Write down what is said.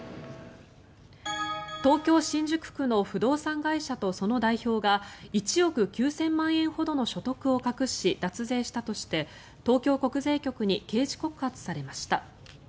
東京・新宿区の不動産会社とその代表が１億９０００万円ほどの所得を隠し、脱税したとして東京国税局に刑事告発されました。